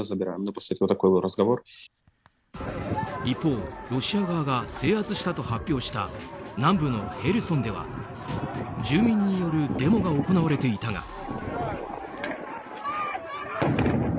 一方、ロシア側が制圧したと発表した南部のヘルソンでは住民によるデモが行われていたが。